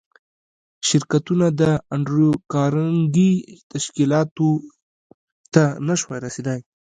شرکتونه د انډریو کارنګي تشکیلاتو ته نشوای رسېدای